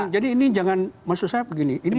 jadi ini jangan masuk saya begini